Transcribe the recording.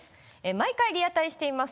毎回リアタイしています。